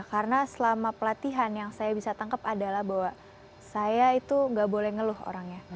jadi yang pertama pelatihan yang saya bisa tangkap adalah bahwa saya itu gak boleh ngeluh orangnya